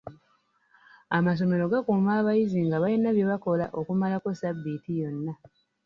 Amassomero gakuuma abayizi nga balina bye bakola okumalako ssabbiiti yonna.